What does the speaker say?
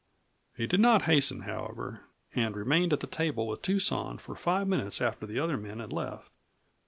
He did not hasten, however, and remained at the table with Tucson for five minutes after the other men had left.